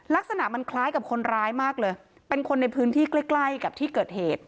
ลักษณะมันคล้ายกับคนร้ายมากเลยเป็นคนในพื้นที่ใกล้ใกล้กับที่เกิดเหตุ